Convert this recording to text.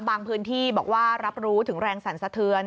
พื้นที่บอกว่ารับรู้ถึงแรงสั่นสะเทือน